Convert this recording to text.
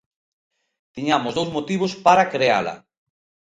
Tiñamos dous motivos para creala.